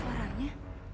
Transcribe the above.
kok gak ada suaranya